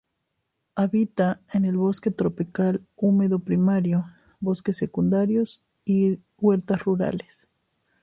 Habita en el bosque tropical húmedo primario, bosques secundarios y huertas rurales.